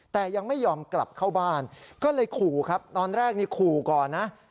แต่ยังไม่ยอมกลับเข้าบ้านก็เลยขู่ครับตอนแรกนี่ขู่ก่อนนะ